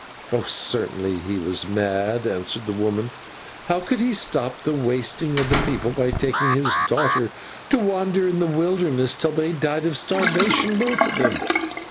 "Certainly he was mad," answered the woman. "How could he stop the wasting of the people by taking his daughter to wander in the wilderness till they died of starvation, both of them.